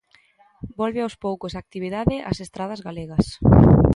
Volve aos poucos a actividade ás estradas galegas.